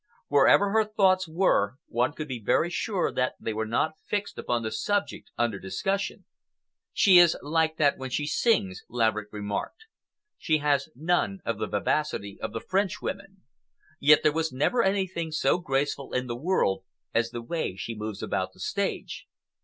Wherever her thoughts were, one could be very sure that they were not fixed upon the subject under discussion. "She is like that when she sings," Laverick remarked. "She has none of the vivacity of the Frenchwomen. Yet there was never anything so graceful in the world as the way she moves about the stage."